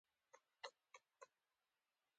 هغه باز له چرګانو سره وساته.